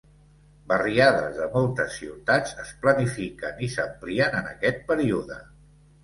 Barriades de moltes ciutats es planifiquen i s'amplien en aquest període.